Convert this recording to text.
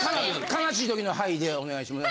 悲しい時の「はい」でお願いします。